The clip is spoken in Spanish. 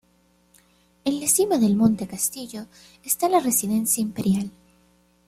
En la cima del Monte Castillo está la residencia imperial.